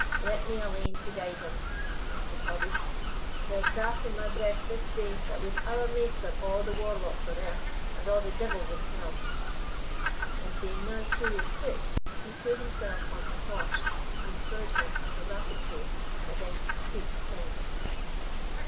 "Let me alane to guide him," answered Hobbie; "there's that in my breast this day, that would ower maister a' the warlocks on earth, and a' the devils in hell." And being now fully equipped, he threw himself on his horse, and spurred him at a rapid pace against the steep ascent.